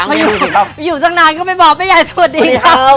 เขาอยู่ตั้งนานก็ไม่บอกแม่ใหญ่สวัสดีครับ